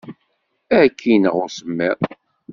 Ad k-ineɣ usemmiḍ.